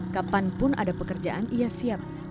kapanpun ada pekerjaan ia siap